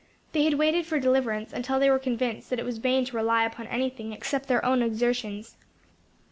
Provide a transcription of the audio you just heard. They had waited for deliverance until they were convinced that it was vain to rely upon anything except their own exertions.